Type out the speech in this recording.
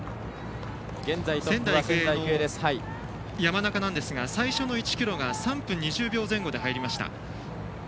仙台育英の山中なんですが最初の１ｋｍが３分２０秒前後でいきました。